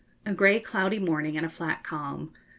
A grey cloudy morning and a flat calm.